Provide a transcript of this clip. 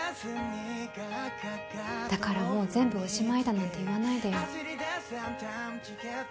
だからもう全部おしまいだなんて言わないでよ。